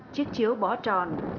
chiếc chiếu bó tròn